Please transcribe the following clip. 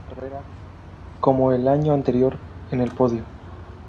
Cierra la carrera, como el año anterior, en el podio.